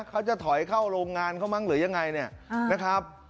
เขาจะถอยเข้าโรงงานเขามั้งหรือยังไงเนี่ยนะครับ